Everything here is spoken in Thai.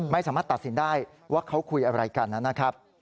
ไม่สามารถตัดสินได้ว่าเขาคุยอะไรกันนะครับ